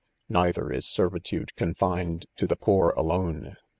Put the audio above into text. Neither is servitude confined to the poor alone.